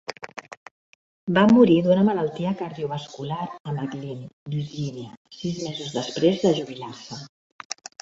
Va morir d'una malaltia cardiovascular a McLean, Virgínia, sis mesos després de jubilar-se.